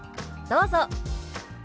どうぞ。